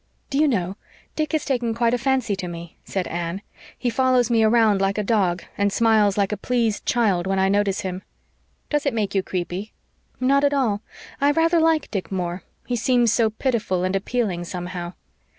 "Do you know, Dick has taken quite a fancy to me," said Anne. "He follows me round like a dog, and smiles like a pleased child when I notice him." "Does it make you creepy?" "Not at all. I rather like poor Dick Moore. He seems so pitiful and appealing, somehow."